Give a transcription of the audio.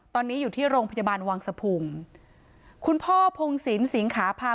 ตอนนี้อยู่ที่โรงพยาบาลวังสะพุงคุณพ่อพงศิลปิงขาพา